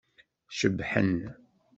Cebḥen.